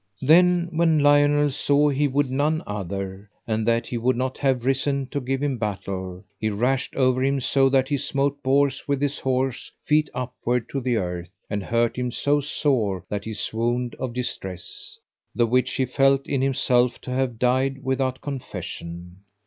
Then when Lionel saw he would none other, and that he would not have risen to give him battle, he rashed over him so that he smote Bors with his horse, feet upward, to the earth, and hurt him so sore that he swooned of distress, the which he felt in himself to have died without confession.